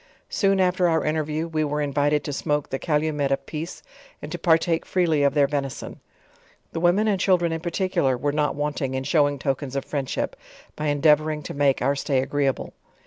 Soon after our interview, we were in vited t,o smoke the calumet of peace, and to partake freely of their venison. The women and children in particular, wer,e not wanting in showing tokens of friendship, by endeavoring to make our stay agreeable.